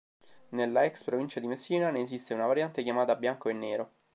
Nella ex provincia di Messina ne esiste una variante, chiamata "bianco e nero".